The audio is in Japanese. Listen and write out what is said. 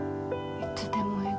いつでも笑顔。